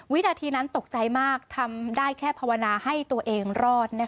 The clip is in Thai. วินาทีนั้นตกใจมากทำได้แค่ภาวนาให้ตัวเองรอด